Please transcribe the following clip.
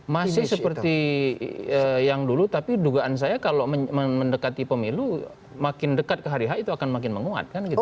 masih seperti yang dulu tapi dugaan saya kalau mendekati pemilu makin dekat ke hari h itu akan makin menguat kan gitu